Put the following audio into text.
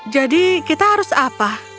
jadi kita harus apa